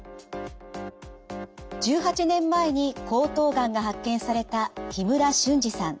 １８年前に喉頭がんが発見された木村俊治さん。